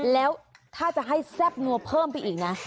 แล้วถ้าจะให้แซ่บนัวเพิ่มไปอีกนะ